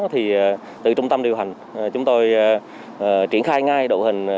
thì từ trung tâm điều hành chúng tôi triển khai ngay đội hình